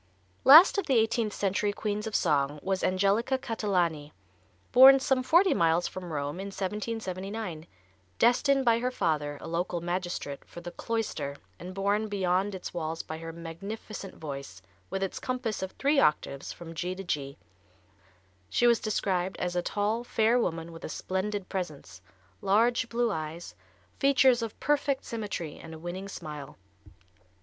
Last of the eighteenth century queens of song was Angelica Catalani, born some forty miles from Rome in 1779, destined by her father, a local magistrate, for the cloister, and borne beyond its walls by her magnificent voice, with its compass of three octaves, from G to G. She is described as a tall, fair woman with a splendid presence, large blue eyes, features of perfect symmetry and a winning smile.